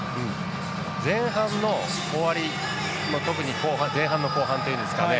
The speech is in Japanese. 前半の終わり特に前半の後半っていうんですかね